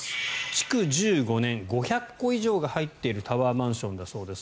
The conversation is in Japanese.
築１５年、５００戸以上が入っているタワーマンションだそうです。